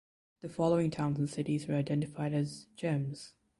The following towns and cities were identified as "gems".